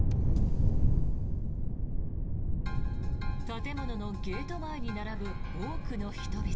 建物のゲート前に並ぶ多くの人々。